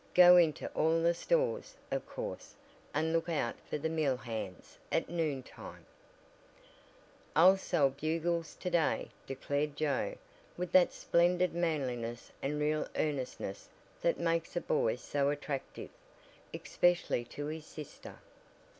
Go into all the stores, of course, and look out for the mill hands, at noon time." "I'll sell Bugles to day," declared Joe, with that splendid manliness and real earnestness that makes a boy so attractive, especially to his sister.